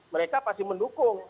mereka pasti mendukung